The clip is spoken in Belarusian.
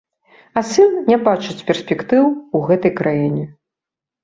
А сын не бачыць перспектыў у гэтай краіне.